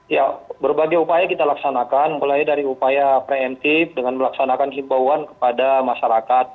ya berbagai upaya kita laksanakan mulai dari upaya preemptif dengan melaksanakan himbauan kepada masyarakat